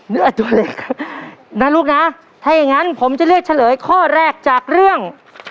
เนื้อตัวเล็กนะลูกนะถ้าอย่างงั้นผมจะเลือกเฉลยข้อแรกจากเรื่อง